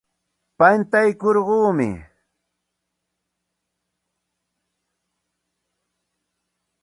Pantaykurquumi.